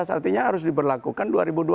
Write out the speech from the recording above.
artinya harus diberlakukan dua ribu dua puluh empat